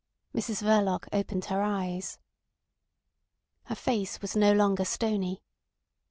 Mrs Verloc opened her eyes. Her face was no longer stony.